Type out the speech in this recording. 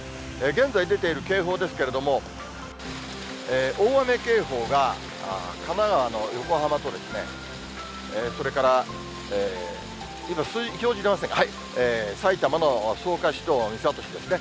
現在出ている警報ですけれども、大雨警報が、神奈川の横浜と、それから表示出ませんか、埼玉の草加市と三郷市ですね。